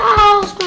mudi untuk lilin